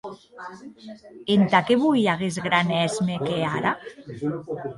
Entà qué voi aguest gran èsme qu’è ara?